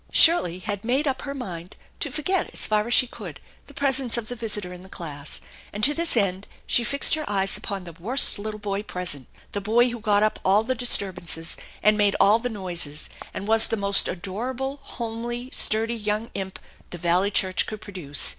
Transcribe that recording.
Shirley had made up her mind to forget as far as she could the presence of the visitor in the class, and to this end ehe fixed her eyes upon the worst little boy present, the boy who got up all the disturbances, and made all the noises, and was the most adorable, homely, sturdy young imp the Valley Church could produce.